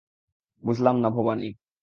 বুঝলাম না, ভবানী।